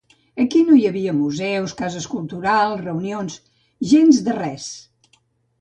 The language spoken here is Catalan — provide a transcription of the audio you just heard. Aquí no hi havia museus, cases culturals, reunions, gens de res!